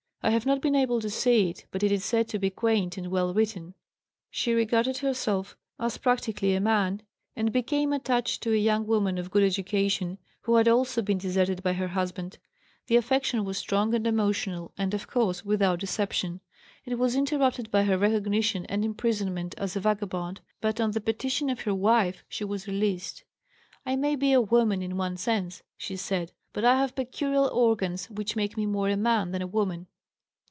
I have not been able to see it, but it is said to be quaint and well written. She regarded herself as practically a man, and became attached to a young woman of good education, who had also been deserted by her husband. The affection was strong and emotional, and, of course, without deception. It was interrupted by her recognition and imprisonment as a vagabond, but on the petition of her "wife" she was released. "I may be a woman in one sense," she said, "but I have peculiar organs which make me more a man than a woman."